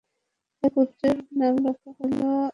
এ পুত্রের নাম রাখা হয় আয়সাখার।